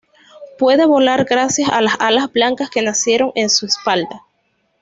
Puede volar gracias a las alas blancas que nacieron en su espalda.